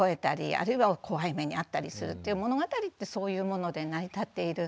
あるいは怖い目に遭ったりするっていう物語ってそういうもので成り立っている。